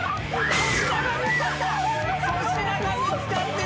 粗品が見つかった！